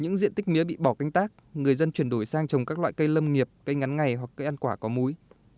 những diện tích mía bị bỏ canh tác người dân chuyển đổi sang trồng các loại cây lâm nghiệp cây ngắn ngày hoặc cây ăn quả có múi